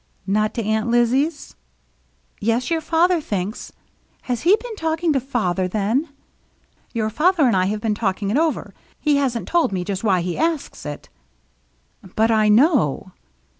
" Not to Aunt Lizzie's ?"" Yes. Your father thinks —"" Has he been talking to father, then ?" "Your father and I have been talking it over. He hasn't told me just why he asks It —"" But I know."